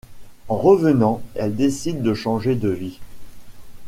En revenant, elle décide de changer de vie.